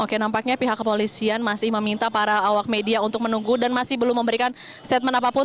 oke nampaknya pihak kepolisian masih meminta para awak media untuk menunggu dan masih belum memberikan statement apapun